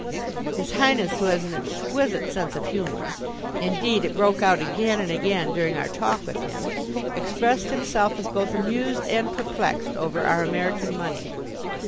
His Highness, who has an exquisite sense of humour indeed, it broke out again and again during our talk with him expressed himself as both amused and perplexed over our American money.